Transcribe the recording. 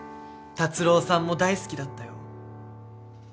辰郎さんも大好きだったよ。